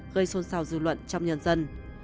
gây xôn xào dư luận trong nhân dân